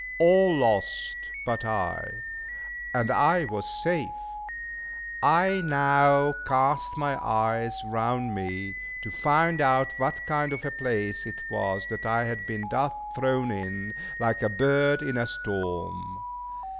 All lost but I, and I was safe! I now cast my eyes round me, to find out what kind of a place it was that I had been thus thrown in, like a bird in a storm.